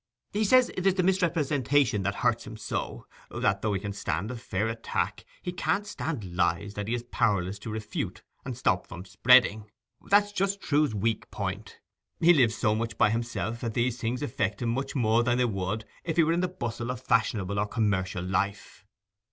He says it is the misrepresentation that hurts him so; that, though he can stand a fair attack, he can't stand lies that he's powerless to refute and stop from spreading. That's just Trewe's weak point. He lives so much by himself that these things affect him much more than they would if he were in the bustle of fashionable or commercial life.